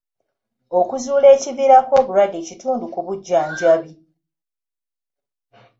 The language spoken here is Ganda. Okuzuula ekiviirako obulwadde kitundu ku bujjanjabi.